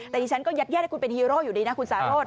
แต่ดิฉันก็ยัดแยกให้คุณเป็นฮีโร่อยู่ดีนะคุณสาโรธ